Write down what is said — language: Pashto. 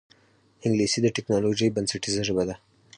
انګلیسي د ټکنالوجۍ بنسټیزه ژبه ده